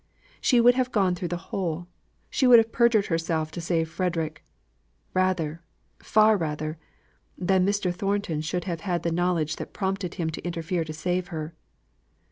She would have gone through the whole she would have perjured herself to save Frederick, rather far rather than Mr. Thornton should have had the knowledge that prompted him to interfere to save her.